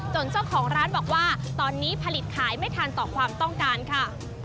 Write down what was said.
เจ้าของร้านบอกว่าตอนนี้ผลิตขายไม่ทันต่อความต้องการค่ะ